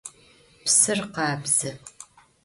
Psır khabze.